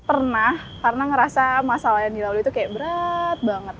pernah karena ngerasa masalah yang dilalui itu kayak berat banget